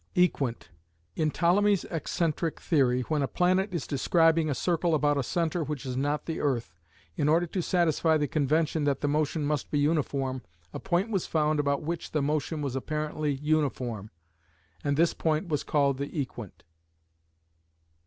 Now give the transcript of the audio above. Equant: In Ptolemy's excentric theory, when a planet is describing a circle about a centre which is not the earth, in order to satisfy the convention that the motion must be uniform, a point was found about which the motion was apparently uniform, and this point was called the equant.